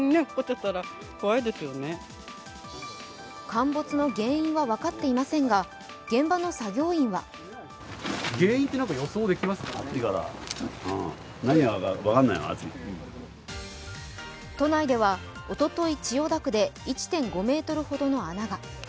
陥没の原因は分かっていませんが、現場の作業員は都内ではおととい千代田区で１．５ｍほどの穴が。